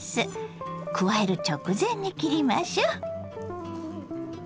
加える直前に切りましょ。